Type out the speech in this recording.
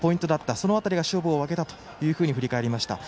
その辺りが勝負を分けたと振り返りました。